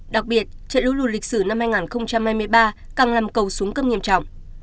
đặc biệt trận lũ lụt lịch sử năm hai nghìn hai mươi ba càng làm cầu súng cấp nghiêm trọng